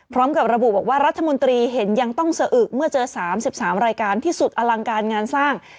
พร้อมกับระบุบอกว่ารัฐมนตรีเห็นยังต้องสะอึกเมื่อเจอ๓๓รายการที่สุดอลังการงานสร้าง